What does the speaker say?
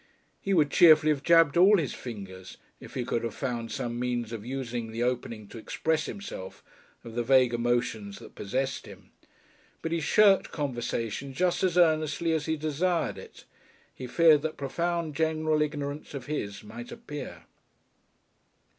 He would cheerfully have jabbed all his fingers if he could have found some means of using the opening to express himself of the vague emotions that possessed him. But he shirked conversation just as earnestly as he desired it; he feared that profound general ignorance of his might appear.